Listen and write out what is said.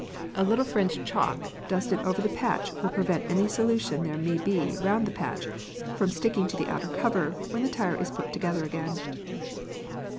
A little French chalk dusted over the patch will prevent any solution there may be round the patch, from sticking to the outer cover when the tyre is put together again.